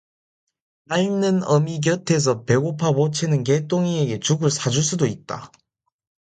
앓는 어미 곁에서 배고파 보채는 개똥이에게 죽을 사줄 수도 있다.